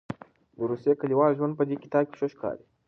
د روسیې کلیوال ژوند په دې کتاب کې ښه ښکاري.